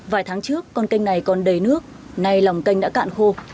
vài tháng trước con canh này còn đầy nước nay lòng canh đã cạn khô